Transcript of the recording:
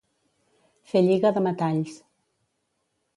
Fer lliga de metalls.